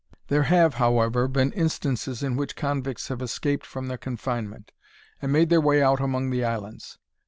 There have, however, been instances in which convicts have escaped from their confinement, and made their way out among the islands.